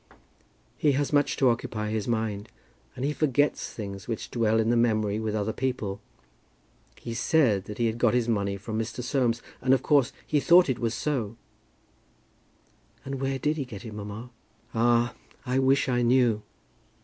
"He has much to occupy his mind, and he forgets things which dwell in the memory with other people. He said that he had got this money from Mr. Soames, and of course he thought that it was so." "And where did he get it, mamma?" "Ah, I wish I knew.